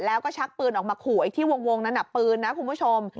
แล้วก็ชักปืนออกมาขู่ไอ้ที่วงนั้นปืนนะคุณผู้ชม